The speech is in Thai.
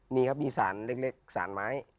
นี่ครับมีสารเล็กสารไม้